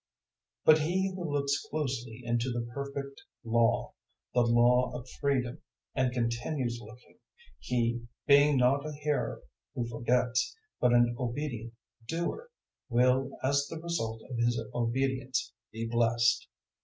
001:025 But he who looks closely into the perfect Law the Law of freedom and continues looking, he, being not a hearer who forgets, but an obedient doer, will as the result of his obedience be blessed.